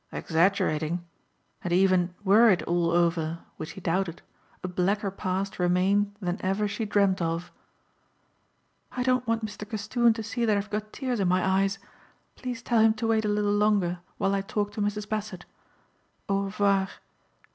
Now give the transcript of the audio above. Exaggerating! And even were it all over, which he doubted, a blacker past remained than ever she dreamed of. "I don't want Mr. Castoon to see that I've got tears in my eyes. Please tell him to wait a little longer while I talk to Mrs. Bassett. _Au revoir.